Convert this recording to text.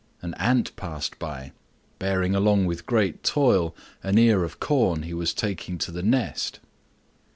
An Ant passed by, bearing along with great toil an ear of corn he was taking to the nest.